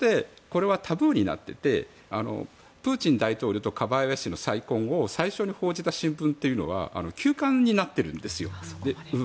だけども、一方でタブーになっていてプーチン大統領とカバエワ氏の再婚を最初に報じた新聞というのは休刊になっているんですよ。